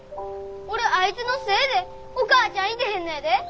俺あいつのせぇでお母ちゃんいてへんのやで。